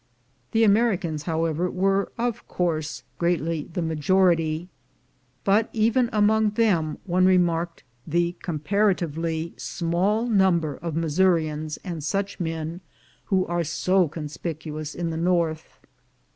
The Americans, however, were of course greatly the majority, but even among them one re marked the comparatively small number of Missourians and such men, who are so conspicuous in the north.